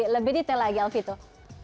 lebih detail lagi alfie tuh